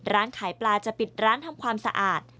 ร้านขายปลาจะปิดร้านทำความสะอาด